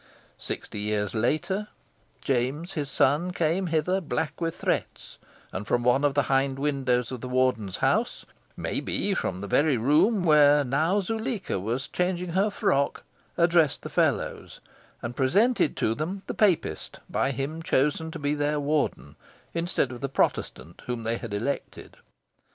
Sixty years later, James, his son, came hither, black with threats, and from one of the hind windows of the Warden's house maybe, from the very room where now Zuleika was changing her frock addressed the Fellows, and presented to them the Papist by him chosen to be their Warden, instead of the Protestant whom they had elected.